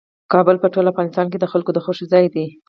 کابل په ټول افغانستان کې د خلکو د خوښې ځای دی.